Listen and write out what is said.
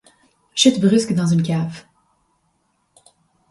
Chute brusque dans une cave.